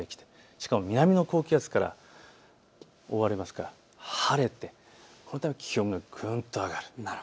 しかも南の高気圧から覆われますから晴れて気温がぐんと上がる。